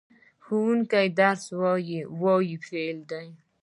ښوونکی درس وايي – "وايي" فعل دی.